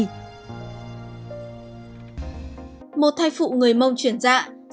một thay phụ người mông chuyển dạng